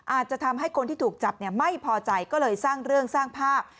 อาจจะทำให้คนที่ถูกจับไม่พอใจก็เลยสร้างเรื่องสร้างภาพ